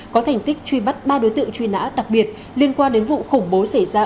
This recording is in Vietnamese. có thành tích truy bắt ba đối tượng truy nã đặc biệt liên quan đến vụ khủng bố xảy ra